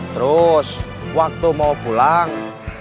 terus waktu mau pulang